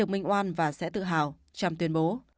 mình oan và sẽ tự hào trump tuyên bố